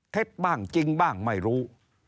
เท็จบ้างจริงบ้างไม่รู้